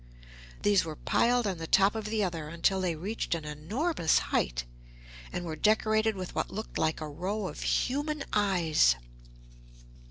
These were piled one on the top of the other until they reached an enormous height, and were decorated with what looked like a row of human eyes.